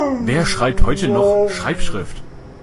Wer schreibt heute noch Schreibschrift?